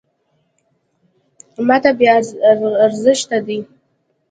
.ماته بې ارزښته دی .